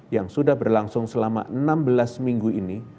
yang sudah berlangsung selama enam belas minggu ini